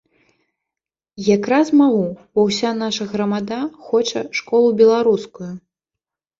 Якраз магу, бо ўся наша грамада хоча школу беларускую!